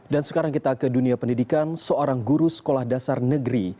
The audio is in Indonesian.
dan sekarang kita ke dunia pendidikan seorang guru sekolah dasar negeri